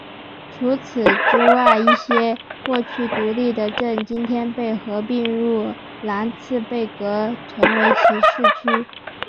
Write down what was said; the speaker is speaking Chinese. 除此之外一些过去独立的镇今天被合并入兰茨贝格成为其市区。